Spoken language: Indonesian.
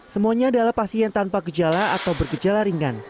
semuanya adalah pasien tanpa gejala atau bergejala ringan